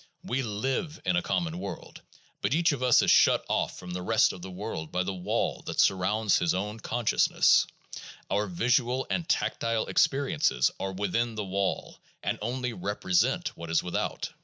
We live in a common world, but each of us is shut off from the rest of the world by the wall that surrounds his own consciousness; our visual and tactile experiences are within that wall and only represent what is without.